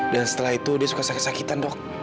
dan setelah itu dia suka sakit sakitan dok